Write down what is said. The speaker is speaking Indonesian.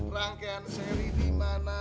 rangkaian seri dimana